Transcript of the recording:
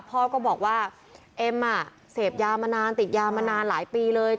พ่อก็บอกว่าเอ็มเสพยามานานติดยามานานหลายปีเลย